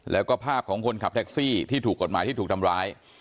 แล้วก็ภาพของคนขับแท็กซี่ที่ถูกกฎหมายที่ถูกทำร้าย